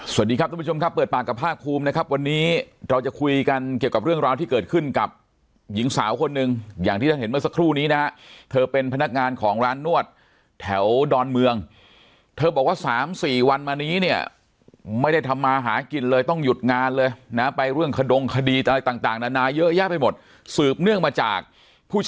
สวัสดีครับทุกผู้ชมครับเปิดปากกับภาคภูมินะครับวันนี้เราจะคุยกันเกี่ยวกับเรื่องราวที่เกิดขึ้นกับหญิงสาวคนหนึ่งอย่างที่ท่านเห็นเมื่อสักครู่นี้นะฮะเธอเป็นพนักงานของร้านนวดแถวดอนเมืองเธอบอกว่าสามสี่วันมานี้เนี่ยไม่ได้ทำมาหากินเลยต้องหยุดงานเลยนะไปเรื่องขดงคดีอะไรต่างนานาเยอะแยะไปหมดสืบเนื่องมาจากผู้